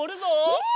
うん！